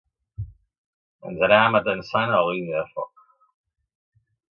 Ens anàvem atansant a la línia de foc